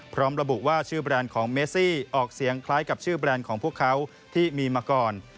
พร้อมระบุว่าชื่อแบรนด์ของเมซี่ออกเสียงคล้ายกับชื่อแบรนด์ของพวกเขาที่มีมาก่อน